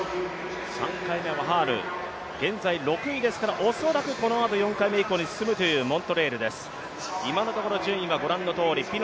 ３回目はファウル、現在６位ですから、恐らくこのあと４回目以降に進むというモントレールです。